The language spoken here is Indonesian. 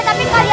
ada aberrasi ya